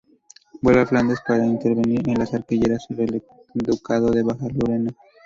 Vuelve a Flandes para intervenir en las querellas sobre el ducado de Baja Lorena.